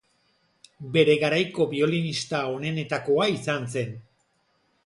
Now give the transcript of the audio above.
Bere garaiko biolinista onenetakoa izan zen.